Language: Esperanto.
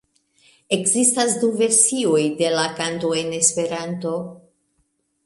Ekzistas du versioj de la kanto en Esperanto.